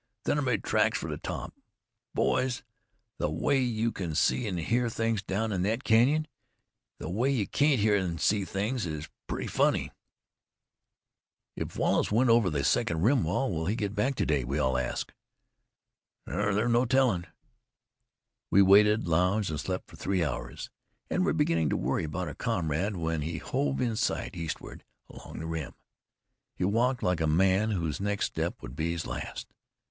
Then I made tracks for the top. Boys, the way you can see an' hear things down in thet canyon, an' the way you can't hear an' see things is pretty funny." "If Wallace went over the second rim wall, will he get back to day?" we all asked. "Shore, there's no tellin'." We waited, lounged, and slept for three hours, and were beginning to worry about our comrade when he hove in sight eastward, along the rim. He walked like a man whose next step would be his last.